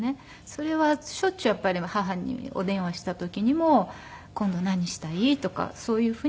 それはしょっちゅうやっぱり母にお電話した時にも「今度何したい？」とかそういうふうにモチベーション